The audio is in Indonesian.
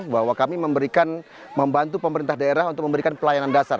bahwa kami memberikan membantu pemerintah daerah untuk memberikan pelayanan dasar